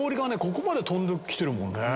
ここまで飛んできてるもんね。